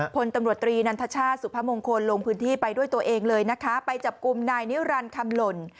พลตำรวจตรีนันทชาติสุพมงคลลงพื้นที่ไปด้วยตัวเองเลยนะคะไปจับกลุ่มนายนิรันดิคำหล่น